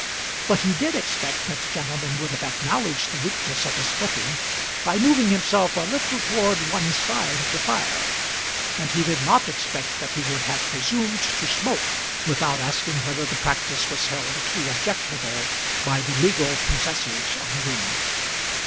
But he did expect that the gentleman would have acknowledged the weakness of his footing, by moving himself a little towards one side of the fire, and he did not expect that he would have presumed to smoke without asking whether the practice was held to be objectionable by the legal possessors of the room.